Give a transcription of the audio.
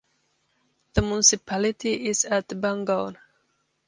The municipality is at Bangaon.